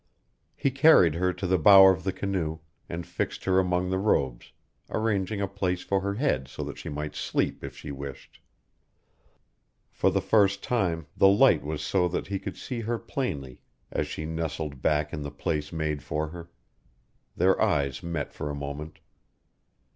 He carried her to the bow of the canoe and fixed her among the robes, arranging a place for her head so that she might sleep if she wished. For the first time the light was so that he could see her plainly as she nestled back in the place made for her. Their eyes met for a moment.